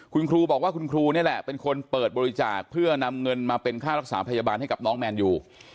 คุณครูบอกว่าคุณครูนี่แหละเป็นคนเปิดบริจาคเพื่อนำเงินมาเป็นค่ารักษาพยาบาลให้กับน้องแมนยู